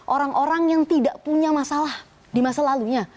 orang orang yang tidak punya masalah di masa lalunya